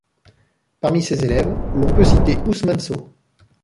Parmi ses élèves, l'on peut citer Ousmane Sow.